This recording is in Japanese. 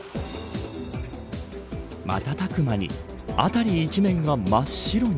瞬く間に辺り一面が真っ白に。